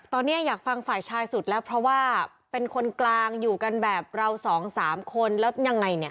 ตอนนี้อยากฟังฝ่ายชายสุดแล้วเพราะว่าเป็นคนกลางอยู่กันแบบเราสองสามคนแล้วยังไงเนี่ย